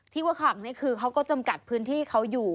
ว่าขังนี่คือเขาก็จำกัดพื้นที่เขาอยู่